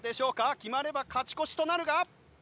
決まれば勝ち越しとなるが。